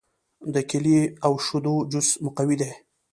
د کیلې او شیدو جوس مقوي دی.